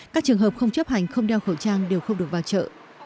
các trường hợp không chấp hành không đeo khẩu trang đều không được vào chợ